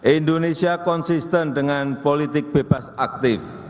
indonesia konsisten dengan politik bebas aktif